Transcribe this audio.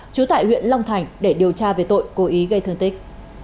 trú tại huyện long thành để điều tra về tội cố ý gây thương tích